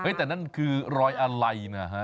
แต่นั่นคือรอยอะไรนะฮะ